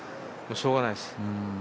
しょうがないです。